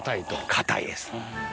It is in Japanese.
硬いです。